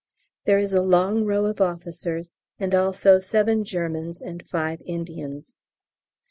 There is a long row of officers, and also seven Germans and five Indians.